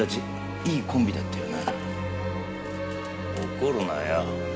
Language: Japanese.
怒るなよ。